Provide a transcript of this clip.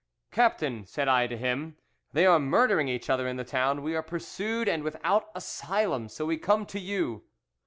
"'Captain,' said I to him, 'they are murdering each other in the town, we are pursued and without asylum, so we come to you.